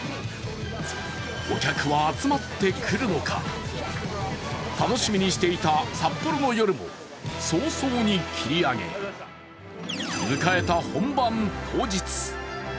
お客は集まってくるのか楽しみにしていた札幌の夜も早々に切り上げ、迎えた本番当日。